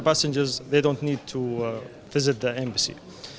pesawat tidak perlu melawat embasi